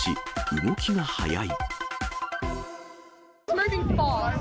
動きが速い。